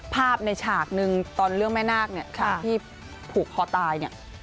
ภาพในฉากหนึ่งตอนเรื่องแม่หน้าคือที่ผูกคอตาย